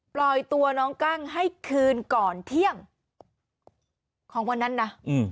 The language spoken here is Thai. ปล่อยตัวน้องกั้งให้คืนก่อนเที่ยงของวันนั้นนะ